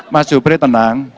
mas jupri tenang